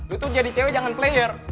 lo tuh jadi cewek jangan player